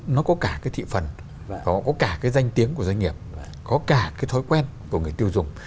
nó có cả cái thị phần có cả cái danh tiếng của doanh nghiệp có cả cái thói quen của người tiêu dùng